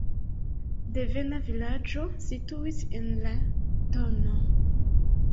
Devena vilaĝo situis en la tn.